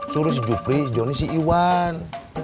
suruh si jupri si joni si iwan